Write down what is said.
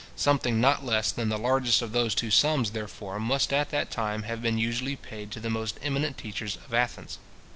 Something not less than the largest of those two sums, therefore, must at that time have been usually paid to the most eminent teachers at Athens.